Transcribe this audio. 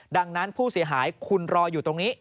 ดังนั้นผู้เสียหายคุณรออยู่ตรงนี้